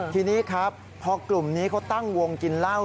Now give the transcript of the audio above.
ทีนี้ครับพอกลุ่มนี้เขาตั้งวงกินเหล้า